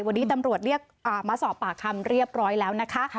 วันนี้ตำรวจเรียกมาสอบปากคำเรียบร้อยแล้วนะคะ